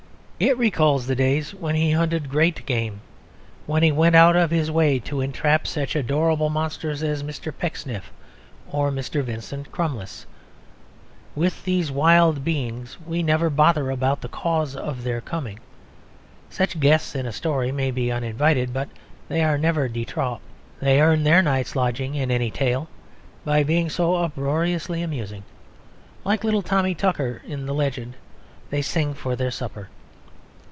It recalls the days when he hunted great game; when he went out of his way to entrap such adorable monsters as Mr. Pecksniff or Mr. Vincent Crummles. With these wild beings we never bother about the cause of their coming. Such guests in a story may be uninvited, but they are never de trop. They earn their night's lodging in any tale by being so uproariously amusing; like little Tommy Tucker in the legend, they sing for their supper.